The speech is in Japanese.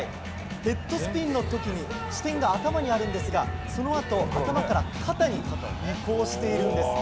ヘッドスピンの頭から支点が頭にあるんですがそのあと、頭から肩へと移行しているんです。